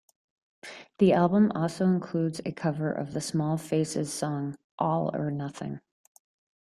The album also includes a cover of the Small Faces song "All or Nothing".